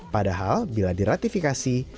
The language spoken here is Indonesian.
padahal bila diratifikasi